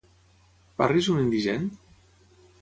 Parry és un indigent?